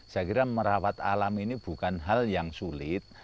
saya kira merawat alam ini bukan hal yang sulit